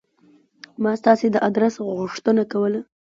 ما ستاسې د آدرس غوښتنه کوله.